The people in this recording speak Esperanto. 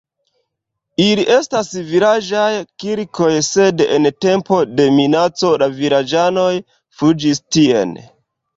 Ili estas vilaĝaj kirkoj, sed en tempo de minaco la vilaĝanoj fuĝis tien.